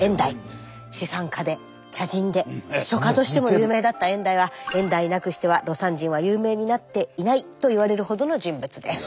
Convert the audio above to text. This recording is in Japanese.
資産家で茶人で書家としても有名だった燕台は燕台なくしては魯山人は有名になっていないといわれるほどの人物です。